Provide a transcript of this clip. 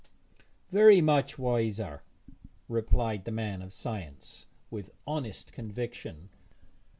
'Very much wiser,' replied the man of science, with honest conviction.